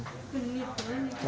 dan terendah adalah kabupaten sampang